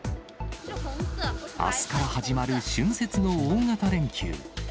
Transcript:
あすから始まる春節の大型連休。